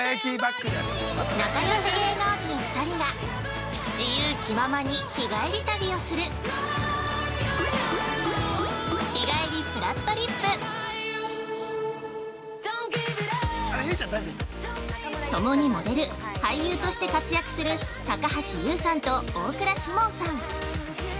◆仲よし芸能人２人が自由気ままに日帰り旅をする「日帰りぷらっとりっぷ」共にモデル、俳優として活躍する高橋ユウさんと大倉士門さん。